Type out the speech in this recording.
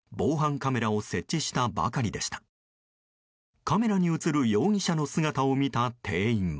カメラに映る容疑者の姿を見た店員は。